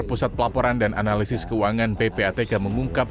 pusat pelaporan dan analisis keuangan ppatk mengungkap